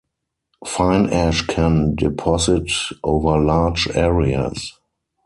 Fine ash can deposit over large areas.